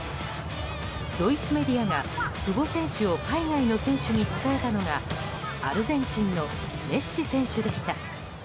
ドイツメディアが、久保選手を海外の選手に例えたのがアルゼンチンのメッシ選手でした。